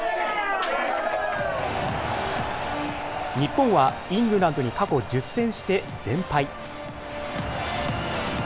日本は、イングランドに過去１０戦して全敗。